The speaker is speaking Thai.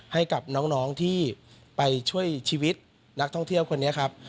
ให้กับน้องที่ไปช่วยชีวิตนักท่องเที่ยวคนนี้ครับ